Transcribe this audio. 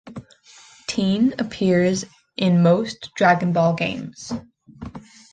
Tien appears in most "Dragon Ball" games.